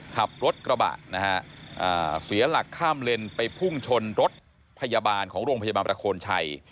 ขับรถกระบะนะฮะเสียหลักข้ามเลนไปพุ่งชนรถพยาบาลของโรงพยาบาลประโคนชัย